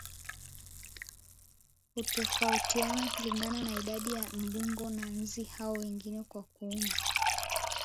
hutofautiana kulingana na idadi ya mbung'o na nzi hao wengine wa kuuma